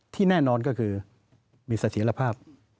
ที่แน่นอนก็คือมีสถิรภาพ